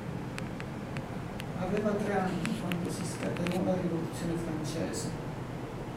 Aveva tre anni quando si scatenò la rivoluzione francese.